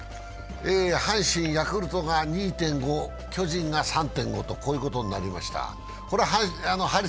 阪神、ヤクルトが２．５、巨人が３．５ということになりました。